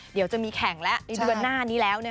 เดี๋ยวจะมีแข่งแล้วในเดือนหน้านี้แล้ว